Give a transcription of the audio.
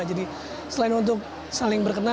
jadi selain untuk saling berkenalan